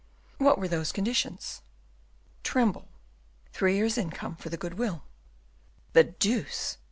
"What were those conditions?" "Tremble... three years' income for the good will." "The deuce!